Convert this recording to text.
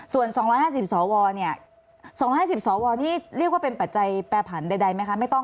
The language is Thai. ส่วน๒๕๐สวเนี่ย๒๕๐สวนี่เรียกว่าเป็นปัจจัยแปรผันใดไหมคะ